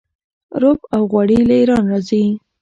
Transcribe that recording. رب او غوړي له ایران راځي.